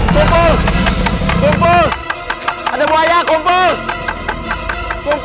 kumpul kumpul ada buaya kumpul kumpul